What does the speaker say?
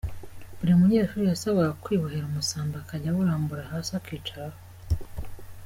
Buri munyeshuri yasabwaga kwibohera umusambi akajya awurambura hasi akicaraho.